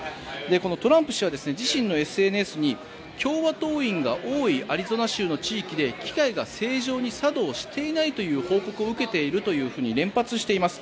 トランプ氏は自身のＳＮＳに共和党員が多いアリゾナ州の地域で機械が正常に作動していないという報告を受けていると連発しています。